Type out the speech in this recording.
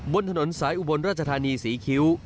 บนถนนสายอุบลราชธานีศรีคิ้ว